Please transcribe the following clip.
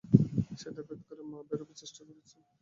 সেটা ভেদ করে মা বেরুবার চেষ্টা করছেন।